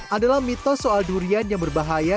adalah mitos soal durian yang berbahaya